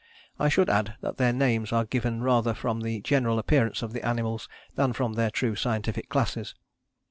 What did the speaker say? I should add that their names are given rather from the general appearance of the animals than from their true scientific classes.